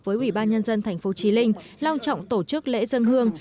với ủy ban nhân dân thành phố trí linh lao trọng tổ chức lễ dân hương